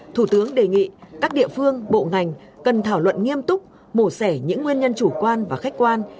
thủ tướng đề nghị các địa phương bộ ngành cần thảo luận nghiêm túc mổ xẻ những nguyên nhân chủ quan và khách quan